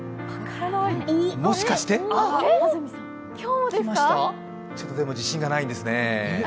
もしかしてでも自信がないんですね。